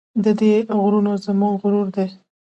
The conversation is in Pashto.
د دې غرونه زموږ غرور دی